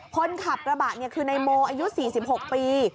คนขับกระบะนี่คือในโมอายุ๔๖ปี